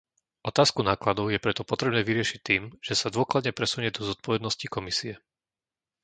Otázku nákladov je preto potrebné vyriešiť tým, že sa dôkladne presunie do zodpovednosti Komisie.